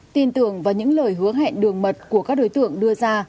tin tưởng vào những lời hứa hẹn đường mật của các đối tượng đưa ra